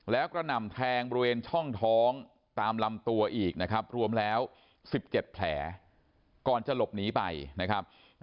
แล้วกระหน่ำแทงบริเวณช่องท้องตามลำตัวอีกนะครับรวมแล้ว๑๗แผลก่อนจะหลบหนีไปนะครับ